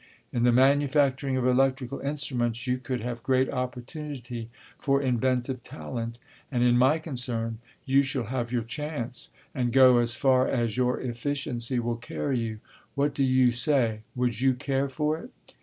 In the manufacturing of electrical instruments you could have great opportunity for inventive talent, and in my concern you shall have your chance, and go as far as your efficiency will carry you. What do you say, would you care for it?"